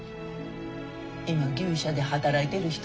今牛舎で働いてる人。